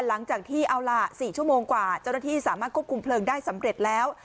หลังจากที่เอาล่ะ๔ชั่วโมงกว่าเจ้าหน้าที่สามารถควบคุมเพลิงได้สำเร็จแล้ว